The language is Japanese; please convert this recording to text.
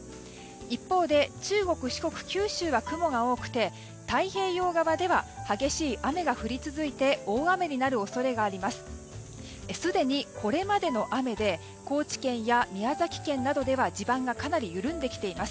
一方で中国・四国、九州は雲が多くて、太平洋側では激しい雨が降り続いて大雨になる恐れがあります。